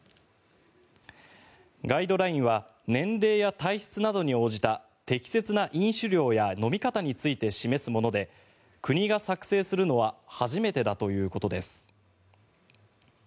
ガイドラインは年齢や体質などに応じた適切な飲酒量や飲み方について示すもので国が作成するのは初めてだということです。